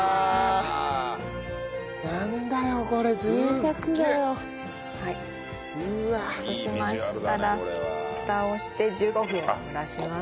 そうしましたらフタをして１５分蒸らします。